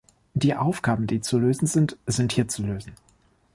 Die Aufgaben, die zu lösen sind, sind hier zu lösen.